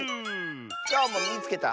きょうも「みいつけた！」